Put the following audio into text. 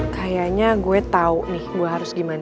kayaknya gue tau nih gue harus gimana